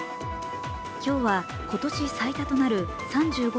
今日は今年最多となる３５